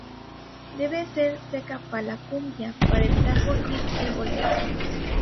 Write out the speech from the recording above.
Debe ser seca pa' la cumbia, para el tango y el bolero.